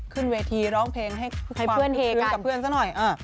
ขึ้นเวทีร่องเพลงให้เพื่อนแทกัน